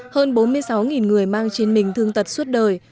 hơn bốn mươi sáu người mang trên mình thương tật suốt đời